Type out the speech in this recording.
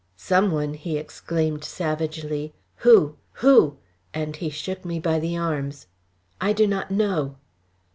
"Some one!" he exclaimed savagely. "Who? who?" and he shook me by the arms. "I do not know."